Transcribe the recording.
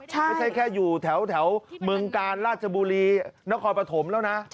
ไม่ใช่แค่อยู่แถวเมืองกาลราชบุรีนครปฐมแล้วนะ